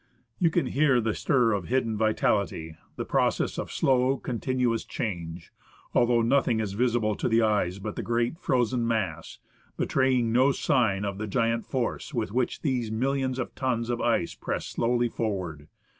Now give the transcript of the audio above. You can hear the stir of hidden vitality, the process of slow, continuous PINNACLE GLACIER, MOUNT COOK. change, although nothing is visible to the eye but the great frozen mass, betraying no sign of the giant force with which these millions of tons of ice press slowly forward.